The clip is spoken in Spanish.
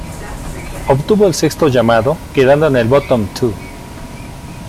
Obtuvo el sexto llamado quedando en el Bottom two.